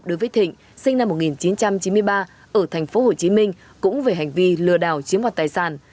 đối với thịnh sinh năm một nghìn chín trăm chín mươi ba ở thành phố hồ chí minh cũng về hành vi lừa đảo chiếm hoạt tài sản